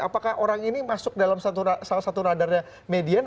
apakah orang ini masuk dalam salah satu radarnya median